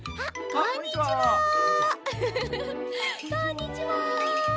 こんにちは。